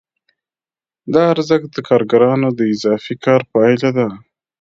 دا ارزښت د کارګرانو د اضافي کار پایله ده